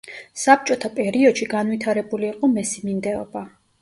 საბჭოთა პერიოდში განვითარებული იყო მესიმინდეობა.